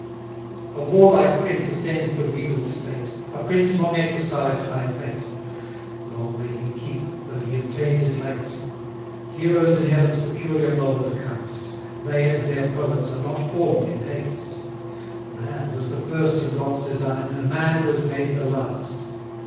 A warlike prince ascends the regal state, A prince long exercised by fate: Long may he keep, though he obtains it late! Heroes in Heaven's peculiar mould are cast, They and their poets are not form'd in haste; Man was the first in God's design, and man was made the last.